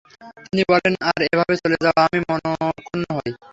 তিনি বলেন, তার এভাবে চলে যাওয়ায় আমি মনঃক্ষুন্ন হই।